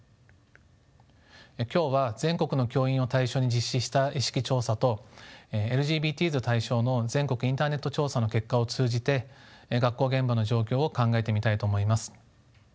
今日は全国の教員を対象に実施した意識調査とＬＧＢＴｓ対象の全国インターネット調査の結果を通じて学校現場の状況を考えてみたいと思います。